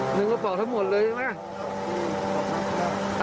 หนึ่งกระบอกทั้งหมดเลยใช่ไหม